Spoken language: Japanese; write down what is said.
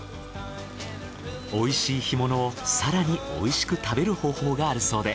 美味しい干物を更に美味しく食べる方法があるそうで。